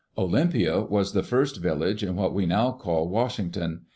Olympia was the first village in what we now call Washington.